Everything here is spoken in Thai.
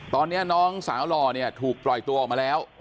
ตอนนี้น้องสาวหล่อเนี่ยถูกปล่อยตัวออกมาแล้ว